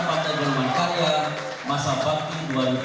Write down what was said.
partai golongan karya masa baki dua ribu sembilan belas dua ribu dua puluh empat